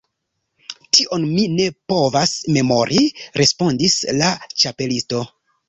"Tion mi ne povas memori," respondis la Ĉapelisto.